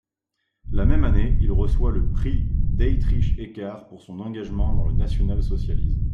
La même année, il reçoit le prix Dietrich-Eckart pour son engagement dans le national-socialisme.